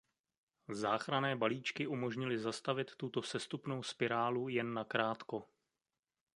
Záchranné balíčky umožnily zastavit tuto sestupnou spirálu jen nakrátko.